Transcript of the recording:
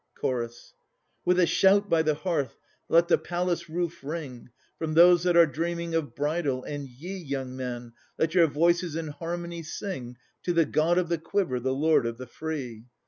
CHORUS With a shout by the hearth let the palace roof ring From those that are dreaming of bridal, and ye, Young men, let your voices in harmony sing To the God of the quiver, the Lord of the free!